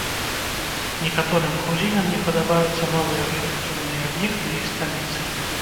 Некаторым грузінам не падабаюцца новыя архітэктурныя аб'екты іх сталіцы.